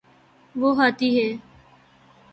وہ ہاتھی ہے